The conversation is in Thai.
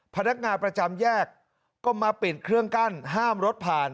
พนักงานประจำแยกก็มาปิดเครื่องกั้นห้ามรถผ่าน